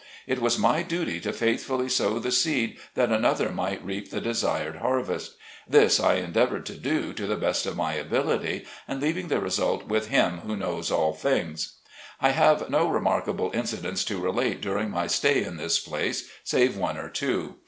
It was my duty to faithfully sow the seed that another might reap the desired harvest. This I endeavored to do, to the best of my ability, and leaving the result with Him who knows all things. I have no remarkable incidents to relate during my stay in this place save one or two.